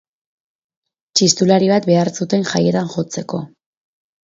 Txistulari bat behar zuten jaietan jotzeko.